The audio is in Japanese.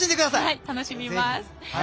楽しみます。